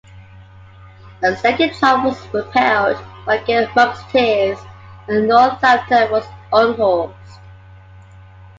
A second charge was repelled by Gell's musketeers and Northampton was unhorsed.